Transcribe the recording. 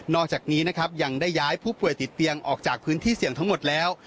อกจากนี้นะครับยังได้ย้ายผู้ป่วยติดเตียงออกจากพื้นที่เสี่ยงทั้งหมดแล้ว